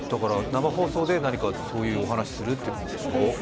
生放送でそういうお話をするってことでしょう。